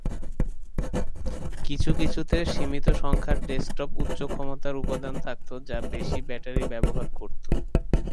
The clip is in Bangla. কিছু কিছুতে সীমিত সংখ্যার ডেস্কটপ উচ্চ ক্ষমতার উপাদান থাকত যা বেশি ব্যাটারি ব্যবহার করত।